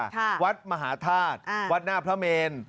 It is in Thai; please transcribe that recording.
วัดมหาธาตุอ่าวัดหน้าพระเมน